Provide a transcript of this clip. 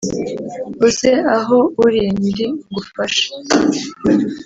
uze aho uri ndi ngufashe